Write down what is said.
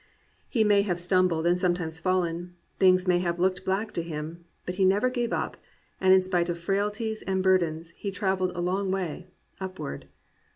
He may have stumbled and sometimes fallen, things may have looked black to him; but he never gave up, and in spite of frailties and burdens, he travelled a long way, — ^upward.